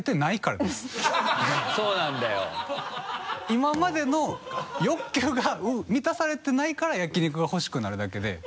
今までの欲求が満たされてないから焼き肉がほしくなるだけで。